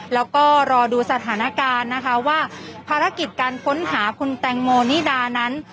แล้วก็รอดูสถานการณ์นะคะว่าภารกิจการค้นหาคุณแตงโมนิดานั้น